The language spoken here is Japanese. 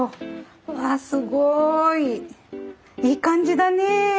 わあすごい！いい感じだねえ。